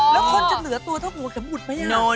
แล้วคนจะเหลือตัวเท่าหัวเข็มหุดไหม